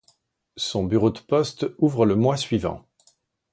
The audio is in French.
Son bureau de poste ouvre le mois suivant.